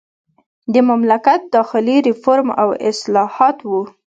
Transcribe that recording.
د مملکت داخلي ریفورم او اصلاحات وو.